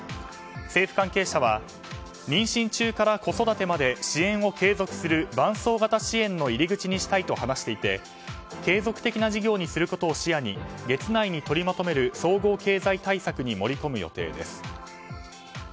政府関係者は妊娠中から子育てまで支援を継続する伴走型支援の入り口にしたいと話していて継続的な事業にすることを視野に月内に取りまとめる総合経済対策に盛り込む予定です。